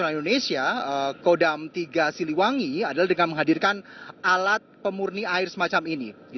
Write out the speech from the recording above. adalah dengan menghadirkan alat pemurni air semacam ini